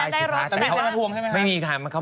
ตอนแรกหนูนึกว่า